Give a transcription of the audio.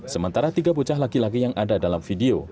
sementara tiga bocah laki laki yang ada dalam video